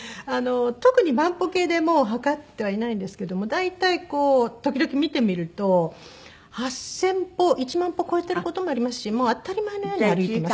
特に万歩計でもう測ってはいないんですけども大体こう時々見てみると８０００歩１万歩超えてる事もありますし当たり前のように歩いてます。